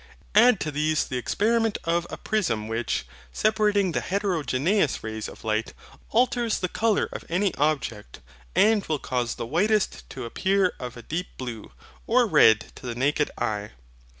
Add to these the experiment of a prism which, separating the heterogeneous rays of light, alters the colour of any object, and will cause the whitest to appear of a deep blue or red to the naked eye.